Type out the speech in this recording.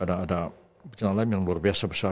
ada bencana lain yang luar biasa besar